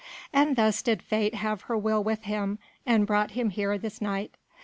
And thus did Fate have her will with him and brought him here this night.